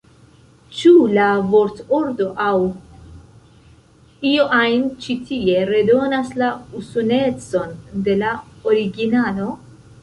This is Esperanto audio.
Ĉu la vortordo aŭ io ajn ĉi tie redonas la usonecon de la originalo?